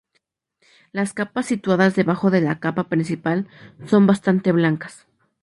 Las capas situadas debajo de la capa principal, son bastante blancas.